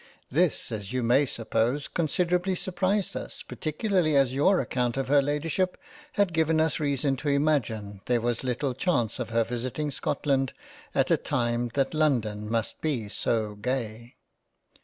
This as you may suppose considerably surprised us, particularly as your account of her Ladyship had given us reason to imagine there was little chance of her visiting Scotland at a time that London must be so gay.